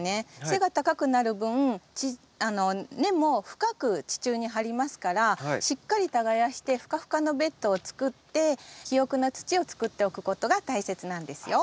背が高くなる分根も深く地中に張りますからしっかり耕してふかふかのベッドを作って肥沃な土を作っておくことが大切なんですよ。